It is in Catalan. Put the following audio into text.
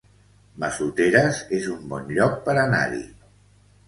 Massoteres es un bon lloc per anar-hi